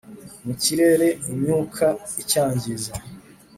mu kirere imyuka icyangiza,